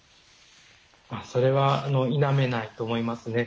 それは否めないと思います。